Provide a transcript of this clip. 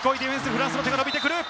フランスの手が伸びてくる。